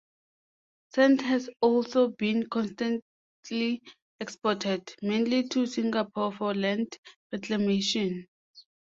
Sand has also been constantly exported, mainly to Singapore for land reclamation.